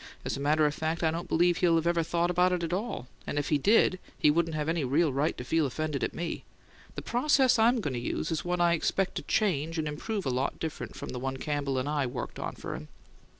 "As a matter of fact, I don't believe he'll ever think about it at all, and if he did he wouldn't have any real right to feel offended at me: the process I'm going to use is one I expect to change and improve a lot different from the one Campbell and I worked on for him."